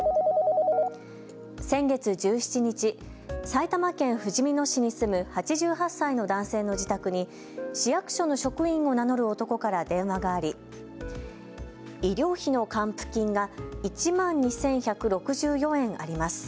先月１７日、埼玉県ふじみ野市に住む８８歳の男性の自宅に市役所の職員を名乗る男から電話があり医療費の還付金が１万２１６４円あります。